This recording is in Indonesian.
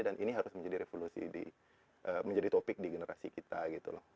dan ini harus menjadi revolusi di menjadi topik di generasi kita gitu loh